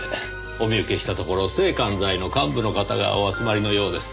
お見受けしたところ政官財の幹部の方がお集まりのようです。